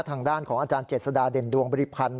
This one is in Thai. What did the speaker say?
ทางด้านของอาจารย์เจษฎาเด่นดวงบริพันธ์